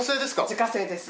自家製です。